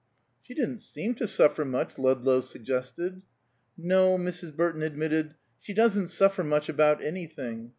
"She didn't seem to suffer much," Ludlow suggested. "No," Mrs. Burton admitted, "she doesn't suffer much about anything.